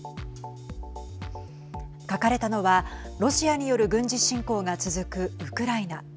描かれたのはロシアによる軍事侵攻が続くウクライナ。